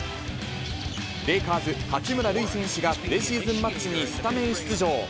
レイカーズ、八村塁選手がプレシーズンマッチにスタメン出場。